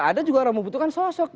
ada juga orang membutuhkan sosok